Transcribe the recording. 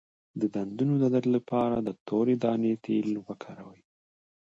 د بندونو درد لپاره د تورې دانې تېل وکاروئ